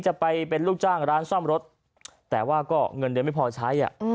จะเป็นลูกจ้างร้านซ่อมรถแต่ว่าก็เงินเดือนไม่พอใช้